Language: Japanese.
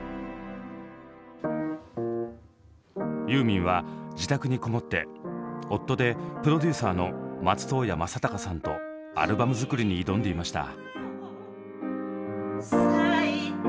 ユーミンは自宅にこもって夫でプロデューサーの松任谷正隆さんとアルバム作りに挑んでいました。